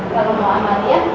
kalau mau amalia